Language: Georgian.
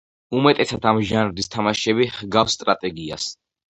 უმეტესად ამ ჟანრის თამაშები ჰგავს სტრატეგიას.